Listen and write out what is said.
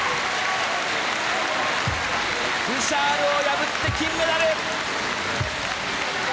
ブシャールを破って金メダル。